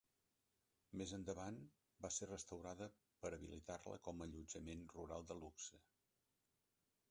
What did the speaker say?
Més endavant, va ser restaurada per habilitar-la com a allotjament rural de luxe.